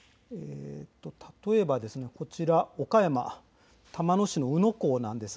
例えば岡山、玉野市の宇野港です。